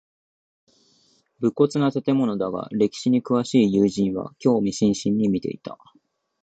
無骨な建物だが歴史に詳しい友人は興味津々に見ていた